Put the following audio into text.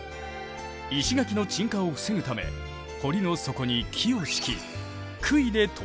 石垣の沈下を防ぐため堀の底に木を敷きくいで留めている。